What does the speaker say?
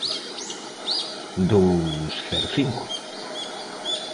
Dous cero cinco.